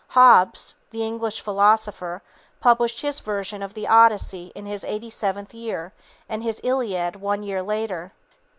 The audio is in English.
Hobbes, the English philosopher, published his version of the Odyssey in his eighty seventh year, and his Iliad one year later.